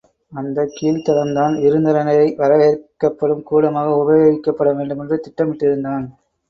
அந்தக் கீழ்த் தளம்தான் விருந்தினரை வரவேற்கப்படும் கூடமாக உபயோகிக்கப்பட வேண்டுமென்று திட்டமிட்டிருந்தான்!